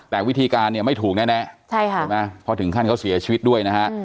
แต่วิธีการเนี่ยไม่ถูกแน่ใช่ไหมเพราะถึงขั้นเขาเสียชีวิตด้วยนะฮะ